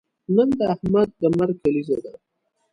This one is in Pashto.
نن د احمد د مرګ کلیزه ده.